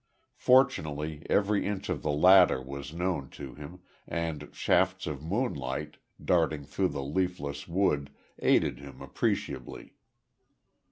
Fortunately every inch of the latter was known to him, and shafts of moonlight, darting through the leafless wood aided him appreciably.